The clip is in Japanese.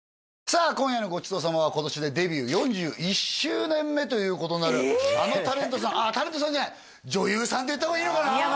さあ今夜のごちそう様は今年でデビュー４１周年目ということになるあのタレントさんああタレントさんじゃない女優さんって言った方がいいかないや